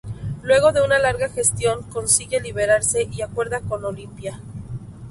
Luego de una larga gestión consigue liberarse y acuerda con Olimpia.